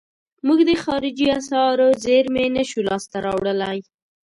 موږ د خارجي اسعارو زیرمې نشو لاس ته راوړلای.